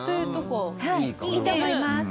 いいと思います。